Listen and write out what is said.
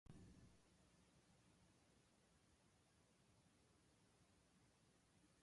クリスマスなんてなければ何にもない一日なのに